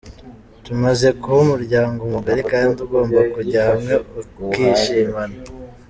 Tumaze kuba umuryango mugari kandi ugomba kujya hamwe ukishimana.